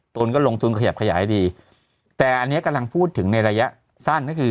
นก็ลงทุนขยับขยายดีแต่อันนี้กำลังพูดถึงในระยะสั้นก็คือ